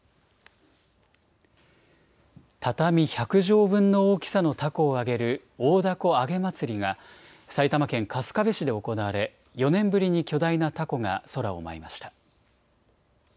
畳１００畳分の大きさのたこを揚げる、大凧あげ祭りが、埼玉県春日部市で行われ、４年ぶりに巨大なたこが空を舞いました。